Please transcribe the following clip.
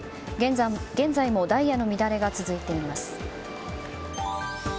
現在もダイヤの乱れが続いています。